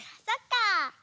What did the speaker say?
そっか。